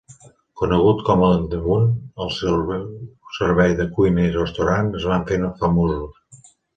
Conegut com "The Mount", el seu servei de cuina i restaurant es van fer famosos.